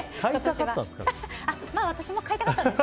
私も買いたかったですよ。